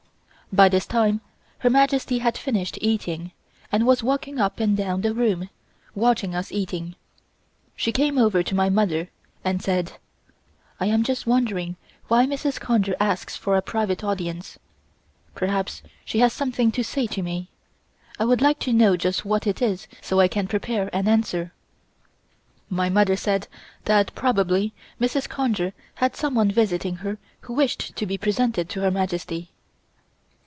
By this time Her Majesty had finished eating and was walking up and down the room, watching us eating. She came over to my mother and said: "I am just wondering why Mrs. Conger asks for a private audience. Perhaps she has something to say to me. I would like to know just what it is so I can prepare an answer." My mother said that probably Mrs. Conger had someone visiting her who wished to be presented to Her Majesty.